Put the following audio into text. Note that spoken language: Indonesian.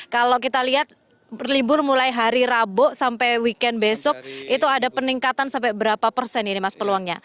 kalau kita lihat libur mulai hari rabu sampai weekend besok itu ada peningkatan sampai berapa persen ini mas peluangnya